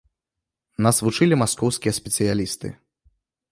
Нас вучылі маскоўскія спецыялісты.